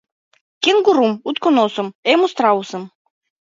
Кенгурум, утконосым, эму страусым?